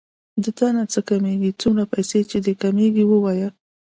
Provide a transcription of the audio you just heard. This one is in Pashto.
د تانه څه کمېږي څونه پيسې چې دې کېږي ووايه.